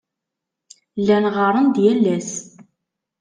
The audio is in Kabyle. Llan ɣɣaren-d yal ass.